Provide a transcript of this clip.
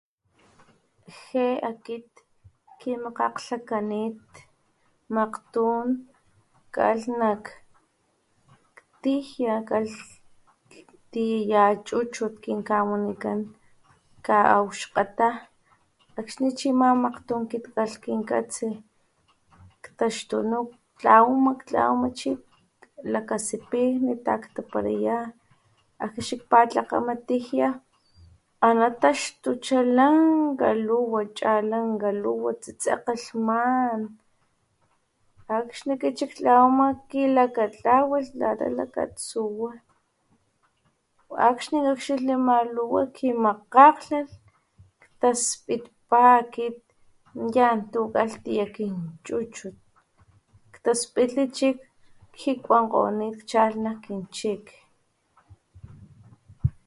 Jé akit kimakgakglhakanit makgtun kalh nak tijia kalh tiyaya chuchut kinkawanikan kaaw xkgata akxni chi ama makgtun kalh kintatsi ktaxtunu ktlawa ktlawama chi lakatsipijni ktaktaparaya akxni xik patlakgama tijia ana taxtucha lanka luwa chalanka luwa tsitsekge lhman akxni chi akit xik tlawama kilakatlwalh lata lakatsuwa akxni kakxilhli ama luwa kimakgakglhalh ktaspitpa akit yan tukalh tiya kinchuchut ktaspitli chi jikuankgonit kalh nak kinchik